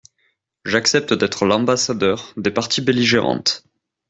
J'accepte d'être l'ambassadeur des parties belligérantes.